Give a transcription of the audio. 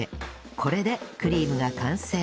これでクリームが完成